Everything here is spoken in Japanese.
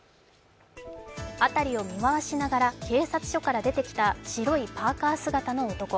辺りを見回しながら警察署から出て来た、白いパーカー姿の男。